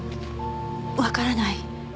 わからない。